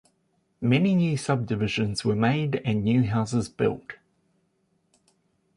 Many new subdivisions were made and new houses built.